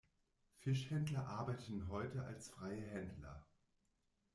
Fischhändler arbeiten heute als freie Händler.